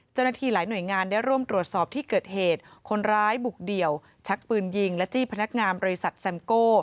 เจ้าหน้าที่หลายหน่วยงานได้ร่วมตรวจสอบที่เกิดเหตุคนร้ายบุกเดี่ยวชักปืนยิงและจี้พนักงานบริษัทแซมโก้